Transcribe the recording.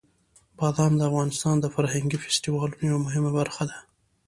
بادام د افغانستان د فرهنګي فستیوالونو یوه مهمه برخه ده.